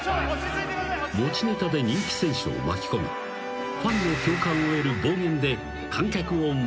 ［持ちネタで人気選手を巻き込みファンの共感を得る暴言で観客を盛り上げたのだ］